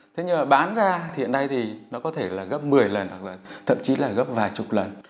thế nhưng mà bán ra thì hiện nay thì nó có thể là gấp một mươi lần hoặc là thậm chí là gấp vài chục lần